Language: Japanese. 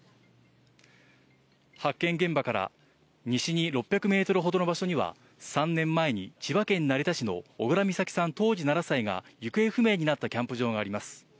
発見現場から西に６００メートルほどの場所には３年前に千葉県成田市の小倉美咲さん、当時７歳が行方不明になったキャンプ場があります。